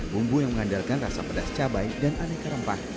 bumbu yang mengandalkan rasa pedas cabai dan aneka rempah